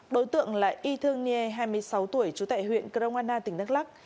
đối tượng là y thương nghê hai mươi sáu tuổi chú tệ huyện crongana tỉnh đắk lóc